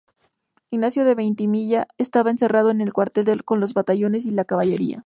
Ignacio de Veintemilla estaba encerrado en el cuartel con los batallones y la caballería.